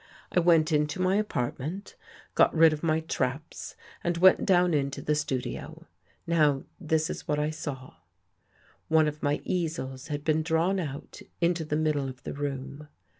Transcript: I went into my apartment, got rid of my traps and went down into the studio. Now this is what I saw: One of my easels had been drawn out into the middle of the room.